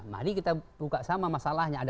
mari kita buka sama masalahnya